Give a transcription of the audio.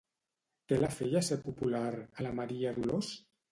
Què la feia ser popular, a la Maria Dolors?